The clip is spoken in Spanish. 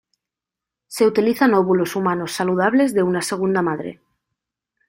Se utilizan óvulos humanos saludables de una segunda madre.